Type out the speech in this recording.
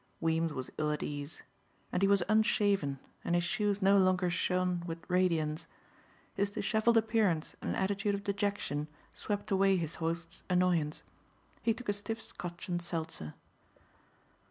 Weems was ill at ease. And he was unshaven and his shoes no longer shone with radiance. His disheveled appearance and attitude of dejection swept away his host's annoyance. He took a stiff Scotch and seltzer.